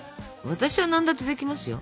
私は何だってできますよ。